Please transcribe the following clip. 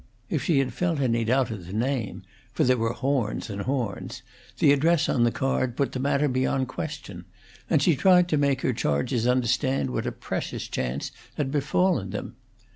If she had felt any doubt at the name for there were Horns and Horns the address on the card put the matter beyond question; and she tried to make her charges understand what a precious chance had befallen them.